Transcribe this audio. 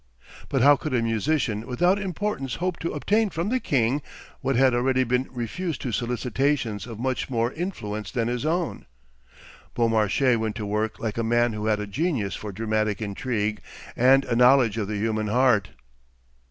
But how could a musician without importance hope to obtain from the king what had already been refused to solicitations of much more influence than his own? Beaumarchais went to work like a man who had a genius for dramatic intrigue and a knowledge of the human heart.